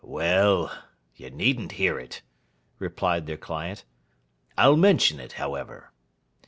'Well! You needn't hear it,' replied their client. 'I'll mention it, however.